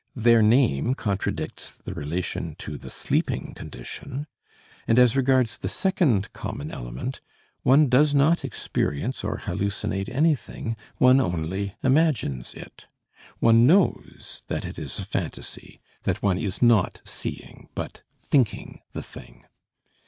Their name contradicts the relation to the sleeping condition, and as regards the second common element, one does not experience or hallucinate anything, one only imagines it. One knows that it is a phantasy, that one is not seeing but thinking the thing.